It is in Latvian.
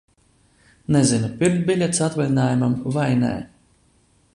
Nezinu, pirkt biļetes atvaļinājumam vai nē.